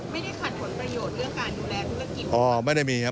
ไม่ได้ขัดผลประโยชน์เรื่องการดูแลทุกละกิวอ๋อไม่ได้มีครับ